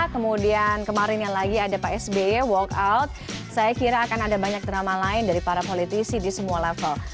kemudian kemarin yang lagi ada pak sby walkout saya kira akan ada banyak drama lain dari para politisi di semua level